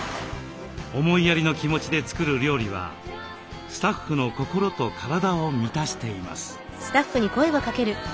思いやりの気持ちで作る料理はスタッフの心と体を満たしています。